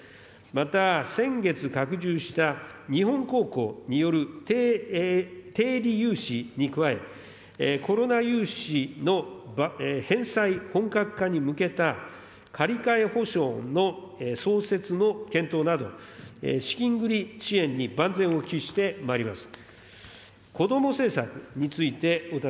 また先月拡充した、日本公庫による低利融資に加え、コロナ融資の返済本格化に向けた借り換え保証の創設の検討など、資金繰り支援に万全を喫してまいります。